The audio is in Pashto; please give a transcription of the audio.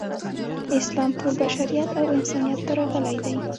اسلام ټول بشریت او انسانیت ته راغلی دی.